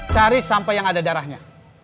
cari sampah yang ada darahnya